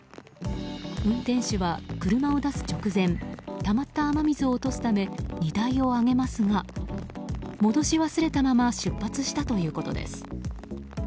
運転手は車を出す直前たまった雨水を落とすため荷台を上げますが戻し忘れたまま出発したということです。